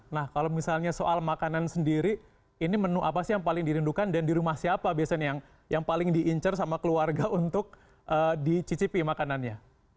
nah kalau misalnya soal makanan sendiri ini menu apa sih yang paling dirindukan dan di rumah siapa biasanya yang paling diincer sama keluarga untuk dicicipi makanannya